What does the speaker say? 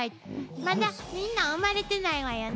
まだみんな生まれてないわよね。